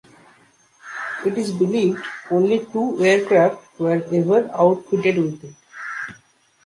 It is believed only two aircraft were ever outfitted with it.